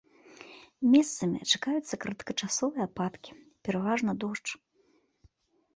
Месцамі чакаюцца кароткачасовыя ападкі, пераважна дождж.